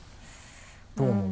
どう思う？